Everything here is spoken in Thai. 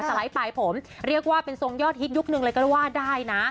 ไลด์ปลายผมเรียกว่าเป็นทรงยอดฮิตยุคนึงเลยก็ว่าได้นะ